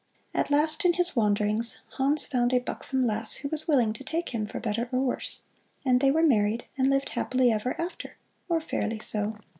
At last in his wanderings, Hans found a buxom lass who was willing to take him for better or worse. And they were married and lived happily ever after, or fairly so.